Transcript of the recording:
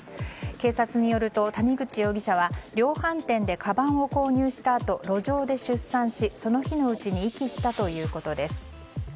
警察によると、谷口容疑者は量販店でかばんを購入したあと路上で出産し、その日のうちに遺棄したということです。